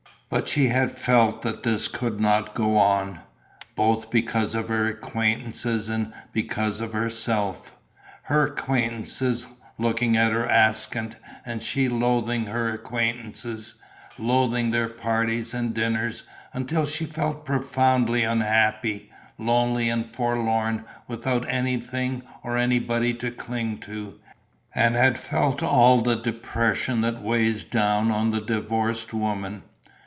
But she had felt that this could not go on, both because of her acquaintances and because of herself: her acquaintances looking at her askance and she loathing her acquaintances, loathing their parties and dinners, until she felt profoundly unhappy, lonely and forlorn, without anything or anybody to cling to, and had felt all the depression that weighs down on the divorced woman.